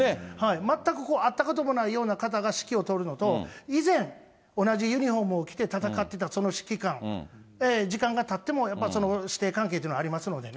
全く会ったこともないような方が指揮を執るのと、以前、同じユニホームを着て戦っていたその指揮官、時間がたっても、やっぱりその師弟関係というのはありますのでね。